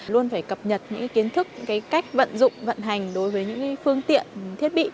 luôn phải cập nhật những kiến thức những cái cách vận dụng vận hành đối với những phương tiện thiết bị